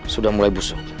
sudah mulai busuk